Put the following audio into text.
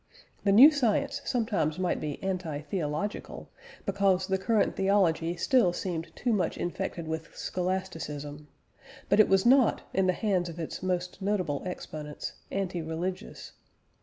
The new science sometimes might be anti theological, because the current theology still seemed too much infected with Scholasticism, but it was not, in the hands of its most notable exponents, anti religious.